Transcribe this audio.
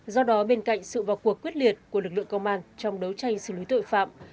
do đó bên cạnh sự vào cuộc quyết liệt của lực lượng công an trong đấu tranh xử lý tội phạm